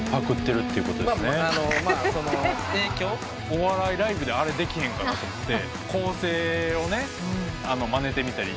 お笑いライブであれできへんかなと思って構成をまねてみたり。